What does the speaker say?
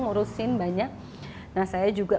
ngurusin banyak nah saya juga